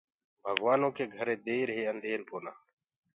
ڀگوآنو ڪيٚ گهري دير هي انڌير ڪونآ۔